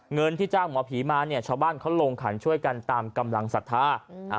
เงินที่จ้างหมอผีมาเนี่ยชาวบ้านเขาลงขันช่วยกันตามกำลังศรัทธา